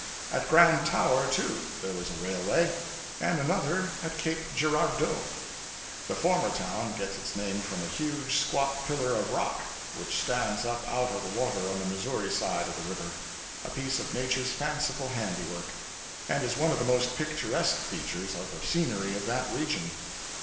At Grand Tower, too, there was a railway; and another at Cape Girardeau. The former town gets its name from a huge, squat pillar of rock, which stands up out of the water on the Missouri side of the river a piece of nature's fanciful handiwork and is one of the most picturesque features of the scenery of that region.